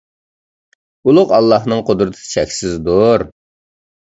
ئۇلۇغ ئاللاھنىڭ قۇدرىتى چەكسىزدۇر!